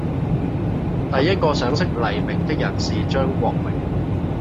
第一個賞識黎明的人是張國榮。